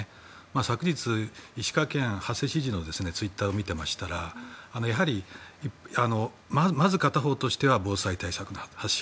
昨日、石川県、馳知事のツイッターを見ていましたらやはり、まず片方としては防災対策の発信。